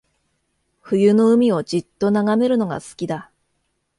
冬の海をじっと眺めるのが好きだ